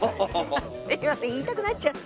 すみません言いたくなっちゃった。